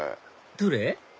どれ？